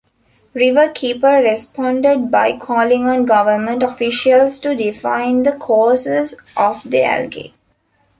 Riverkeeper responded by calling on government officials to define the causes of the algae.